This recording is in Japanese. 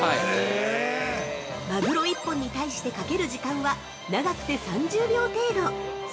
◆マグロ１本に対してかける時間は、長くて３０秒程度。